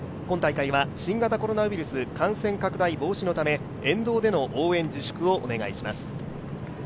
今大会は新型コロナウイルス感染拡大防止のため沿道での応援自粛をお願いします。